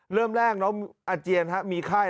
เริ่มแรกน้องอาเจียนมีไข้